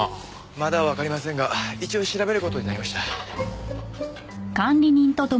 まだわかりませんが一応調べる事になりました。